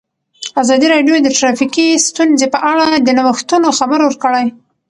ازادي راډیو د ټرافیکي ستونزې په اړه د نوښتونو خبر ورکړی.